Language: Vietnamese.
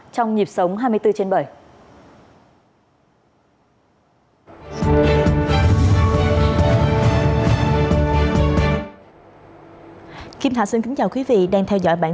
trong nhịp sống hai mươi bốn trên bảy